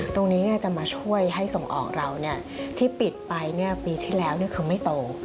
ตรงนี้จะมาช่วยให้ส่งออกเราที่ปิดไปปีที่แล้วคือไม่โต